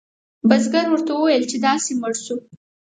بزګر ورته وویل چې داسې مړ شو.